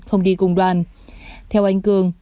không đi cùng đoàn theo anh cường